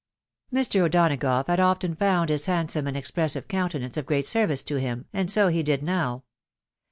Mr. O'Donagough had often found his handsome and ex pressive countenance of great service to him, and so he did now.